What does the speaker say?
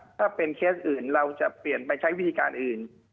ถ้าเป็นเคสอื่นเราจะเปลี่ยนไปใช้วิธีการอื่น